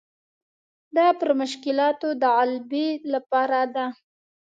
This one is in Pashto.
دا پر مشکلاتو د غلبې لپاره ده.